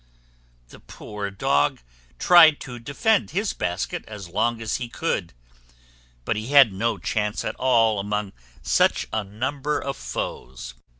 The poor Dog tried to defend his basket as long as he could; but he had no chance at all among such a number of foes.